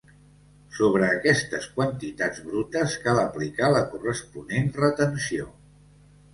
Sobre aquestes quantitats brutes cal aplicar la corresponent retenció.